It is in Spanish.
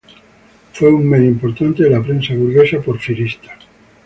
Fue un medio importante de la prensa burguesa porfirista.